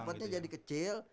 masa jadi kecil